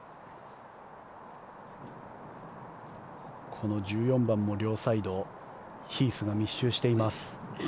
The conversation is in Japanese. この１４番も両サイドヒースが密集しています。